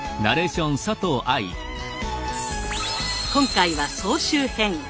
今回は総集編。